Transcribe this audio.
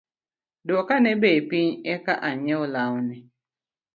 Duokane bei piny eka anyiew lawni